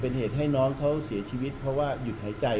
เป็นเหตุให้น้องเขาเสียชีวิตเพราะว่าหยุดหายใจ